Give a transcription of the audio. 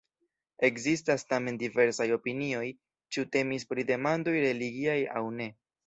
Ekzistas tamen diversaj opinioj, ĉu temis pri demandoj religiaj aŭ ne.